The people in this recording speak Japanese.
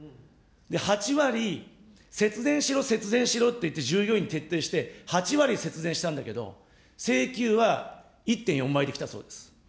８割、節電しろ、節電しろって言って、従業員に徹底して、８割節電したんだけど、請求は１．４倍できたそうです。